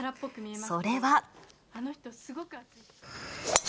それは。